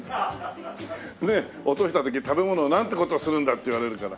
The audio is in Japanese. ねえ落とした時食べ物になんて事するんだって言われるから。